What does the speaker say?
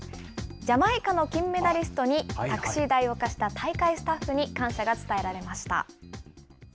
ジャマイカの金メダリストにタクシー代を貸した大会スタッフに感謝が伝えられました。